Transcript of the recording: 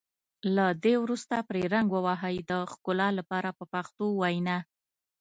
له دې وروسته پرې رنګ ووهئ د ښکلا لپاره په پښتو وینا.